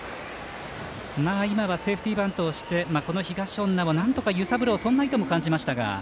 今はセーフティーバントをして東恩納をなんとか揺さぶろうという意図も感じました。